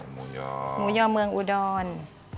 หมูยอหมูยอเมืองอุดร